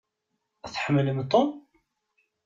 Tḥemmlem Tom?